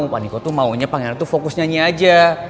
paniko tuh maunya pangeran tuh fokus nyanyi aja